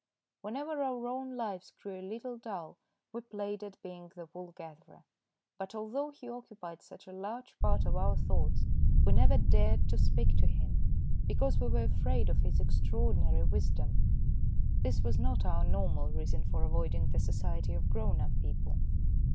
Whenever our own lives grew a little dull we played at being the wool gatherer, but although he occupied such a large part of our thoughts we never dared to speak to him, because we were afraid of his extra ordinary wisdom. This was not our normal reason for avoiding the society of grown up people.